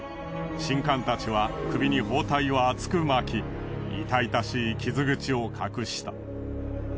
神官たちは首に包帯を厚く巻き痛々しい傷口を隠した。